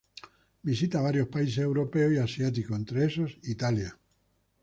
Visita varios países europeos y asiáticos, entre esos, Italia.